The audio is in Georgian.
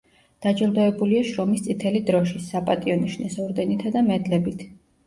დაჯილდოებულია შრომის წითელი დროშის, „საპატიო ნიშნის“ ორდენითა და მედლებით.